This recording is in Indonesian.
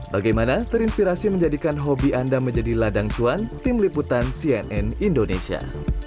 bagaimana terinspirasi menjadikan hobi anda menjadi ladang cuan tim liputan cnn indonesia